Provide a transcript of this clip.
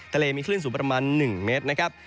ทะเลมีขึ้นสูงประมาณ๑เมตร